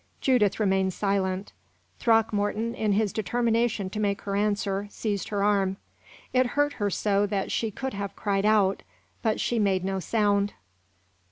Judith remained silent. Throckmorton, in his determination to make her answer, seized her arm. It hurt her so that she could have cried out, but she made no sound.